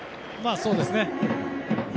そうですね。